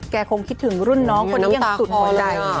คงคิดถึงรุ่นน้องคนนี้อย่างสุดหัวใจ